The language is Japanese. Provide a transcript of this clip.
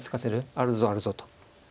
あるぞあるぞと。